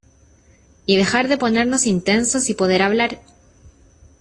y dejar de ponernos intensos y poder hablar.